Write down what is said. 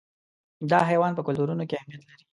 دا حیوان په کلتورونو کې اهمیت لري.